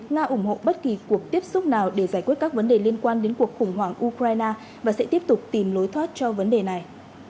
nga ủng hộ bất kỳ cuộc tiếp xúc nào để giải quyết các vấn đề liên quan đến cuộc khủng hoảng ukraine và sẽ tiếp tục tìm lối thoát cho vấn đề này